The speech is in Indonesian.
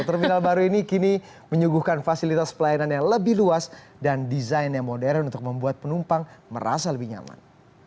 terminal baru ini kini menyuguhkan fasilitas pelayanan yang lebih luas dan desain yang modern untuk membuat penumpang merasa lebih nyaman